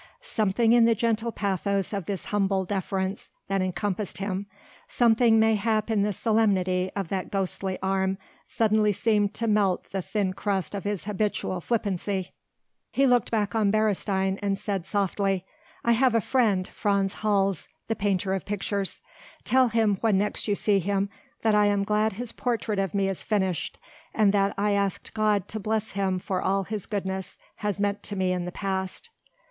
Something in the gentle pathos of this humble deference that encompassed him, something mayhap in the solemnity of that ghostly arm suddenly seemed to melt the thin crust of his habitual flippancy. He looked back on Beresteyn and said softly: "I have a friend, Frans Hals the painter of pictures tell him when next you see him that I am glad his portrait of me is finished, and that I asked God to bless him for all his goodness has meant to me in the past."